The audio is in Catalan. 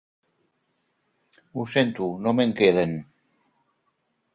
Ho sento, no me'n queden.